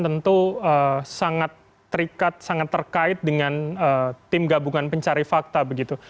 tentu sangat terikat sangat terkait dengan tim gabungan pencari fakta begitu